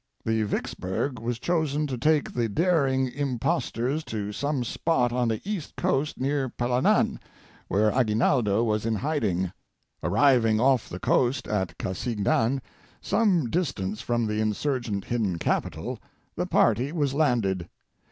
The ' Vicksburg ' was chosen to take the daring im postors to some spot on the east coast near Palanan, where Aguinaldo was in hiding. Arriving off the coast at Casignan, some distance from the Insurgent hidden capital, the party was landed.